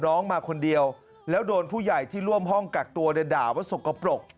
น้องมาคนเดียวแล้วโดนผู้ใหญ่ที่ร่วมห้องกักตัวในด่าว่าสกปรก